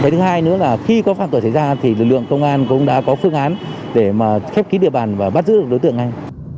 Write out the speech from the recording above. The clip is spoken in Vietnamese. thứ hai nữa là khi có phạm tội xảy ra thì lực lượng công an cũng đã có phương án để mà khép kín địa bàn và bắt giữ được đối tượng ngay